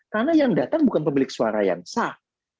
karena yang datang bukan pemilik suara yang sah